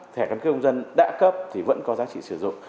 thẻ căn cước công dân đã cấp thì vẫn có giá trị sử dụng